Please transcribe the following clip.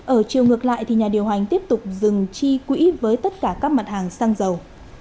ở chiều ngược lại nhà điều hành tiếp tục dừng chi quỹ với tất cả các mặt hàng xăng dầu